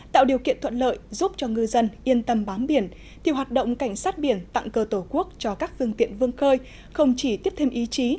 tạo điều kiện thuận lợi giúp cho ngư dân yên tâm bám biển thì hoạt động cảnh sát biển tặng cơ tổ quốc cho các phương tiện vương khơi không chỉ tiếp thêm ý chí